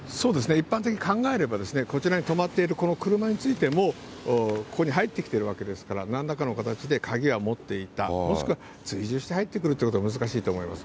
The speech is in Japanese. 一般的に考えれば、こちらに止まっているこの車についてもここに入ってきてるわけですから、なんらかの形で鍵は持っていた、もしくは追従して入ってくるということは難しいと思います。